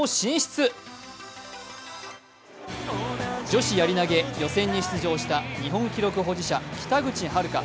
女子やり投予選に出場した日本記録保持者、北口榛花。